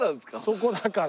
そこだから。